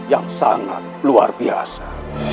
yang sangat luar biasa